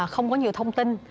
không có nhiều thông tin